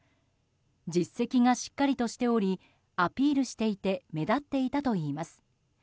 実績がしっかりとしておりアピールしていて目立っていたといいます。